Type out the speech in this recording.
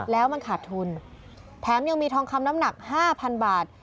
แล้วมันขาดทุนแถมยังมีทองคำน้ำหนักห้าพันบาท